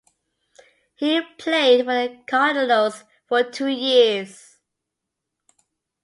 He played for the Cardinals for two years.